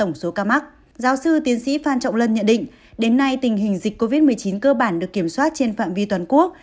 giáo sư tiến sĩ phan trọng lân nhận định đến nay tình hình dịch covid một mươi chín cơ bản được kiểm soát trên phạm vi toàn quốc